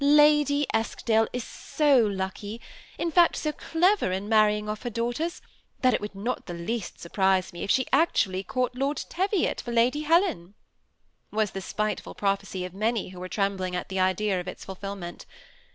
"Lady Eskdale is so lucky — in fact, so clever — in marrying off her daughters, that it would not the least surprise me if she actually caught Lord Teviot for Lady Helen," was the spiteful prophecy of many who were trembling at the idea of its fulfilment.